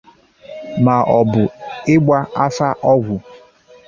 maọbụ Ịgba Afa Agwụ